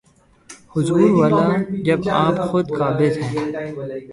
حضور والا، جب آپ خود قابض ہیں۔